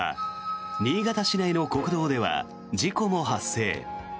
新潟市内の国道では事故も発生。